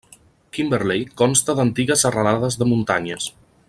Kimberley consta d'antigues serralades de muntanyes.